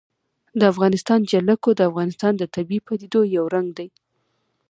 د افغانستان جلکو د افغانستان د طبیعي پدیدو یو رنګ دی.